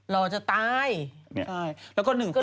รอจะตายใช่